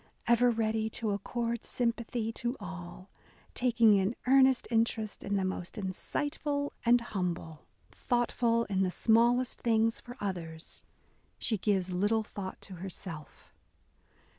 Ever ready to accord sympathy to all, taking an earnest interest in the most in significant and humble .•. thoughtful in the A DAY WITH E. B. BROWNING smallest things for others," she gives little thought to herself.